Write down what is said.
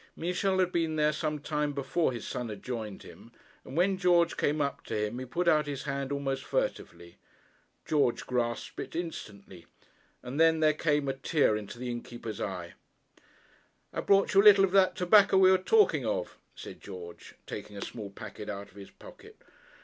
Michel had been there some time before his son had joined him, and when George came up to him he put out his hand almost furtively. George grasped it instantly, and then there came a tear into the innkeeper's eye. 'I have brought you a little of that tobacco we were talking of,' said George, taking a small packet out of his pocket.